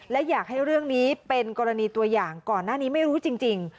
และอยากให้เรื่องนี้เป็นกรณีตัวอย่างก่อนหน้านี้ไม่รู้จริง